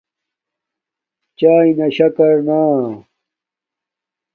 چاݵے نا شکر نا